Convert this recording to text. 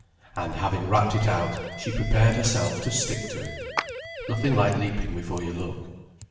And having rapped it out, she prepared herself to stick to it. Nothing like leaping before you look.